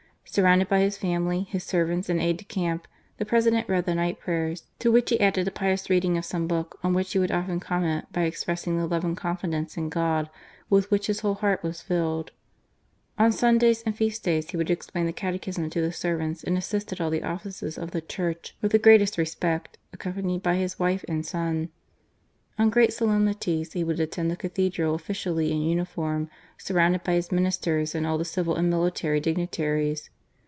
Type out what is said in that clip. Surrounded by his family, his servants, and aides de camp, the President read the night prayers, to which he added a pious reading of some book, on which he would often comment by express * Notice on Don Gabriel Garcia Moreno. By Adolf Von Berlichin gen, SJ. S i aif4 GARCIA UORENO. ing the love and confidence in God with which his whole heart was filled. On Sundays and feast days he would explain the Catechism to the servants and assist at all the Offices of the Church with the srsatest respect, accompanied by his wife and son. On great solemnities he would attend the Cathedral officially in uniform, surrounded by his Ministers and all the civil and military dignitaries.